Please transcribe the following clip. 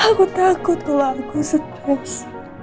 aku takut kalau aku stres